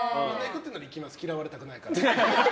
嫌われたくないから。